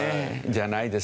じゃないですね。